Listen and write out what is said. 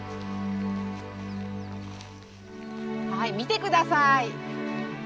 はい見て下さい。